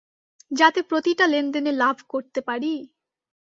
যাতে প্রতিটা লেনদেনে লাভ করতে পারি?